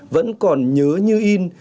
vẫn còn nhớ như in